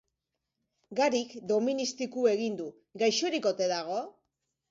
Garik doministiku egin du. Gaixorik ote dago?